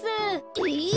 えっ！？